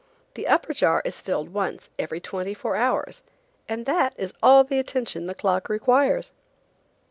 The upper jar is filled once every twenty fear hours, and that is all the attention the clock requires.